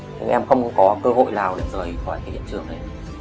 nhưng em không có cơ hội nào để rời khỏi cái hiện trường này